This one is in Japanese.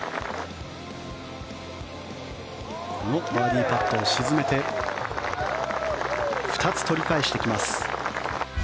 このバーディーパットを沈めて２つ、取り返してきます。